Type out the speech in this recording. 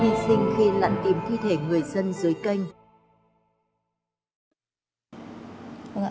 hy sinh khi lặn tìm thi thể người dân dưới canh